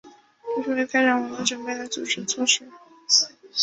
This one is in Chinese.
这是为开展文革准备的组织措施。